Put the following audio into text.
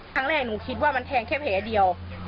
ครั้งแรกหนูคิดว่ามันแทงแค่แผงเดียว